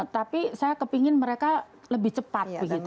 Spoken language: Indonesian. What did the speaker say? tapi saya kepingin mereka lebih cepat begitu